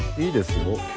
いいですよ。